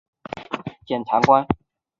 为二级大检察官。